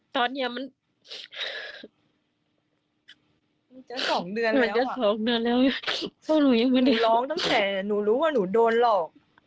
ตอนนี้มันมันจะ๒เดือนแล้วหนูร้องตั้งแต่หนูรู้ว่าหนูโดนหรอก